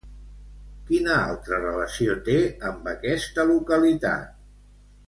Quina altra relació té amb aquesta localitat?